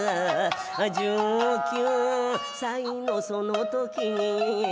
「十九歳のその時に」